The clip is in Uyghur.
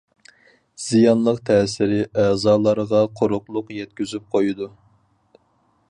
زىيانلىق تەسىرى ئەزالارغا قۇرۇقلۇق يەتكۈزۈپ قويىدۇ.